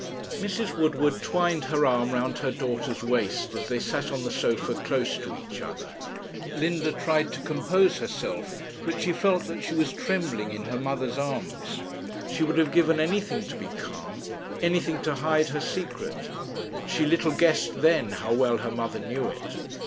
Mrs. Woodward twined her arm round her daughter's waist, as they sat on the sofa close to each other. Linda tried to compose herself, but she felt that she was trembling in her mother's arms. She would have given anything to be calm; anything to hide her secret. She little guessed then how well her mother knew it.